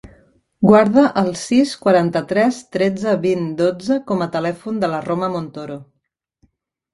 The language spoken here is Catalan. Guarda el sis, quaranta-tres, tretze, vint, dotze com a telèfon de la Roma Montoro.